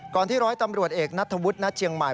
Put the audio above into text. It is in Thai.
ที่ร้อยตำรวจเอกนัทธวุฒิณเชียงใหม่